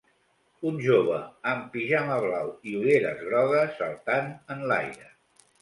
Un jove amb pijama blau i ulleres grogues saltant en l'aire.